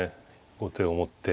後手を持って。